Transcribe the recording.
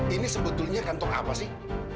ini sebetulnya kantong apa sih